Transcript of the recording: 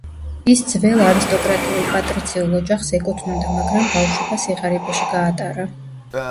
ის ძველ არისტოკრატიულ პატრიციულ ოჯახს ეკუთვნოდა, მაგრამ ბავშვობა სიღარიბეში გაატარა.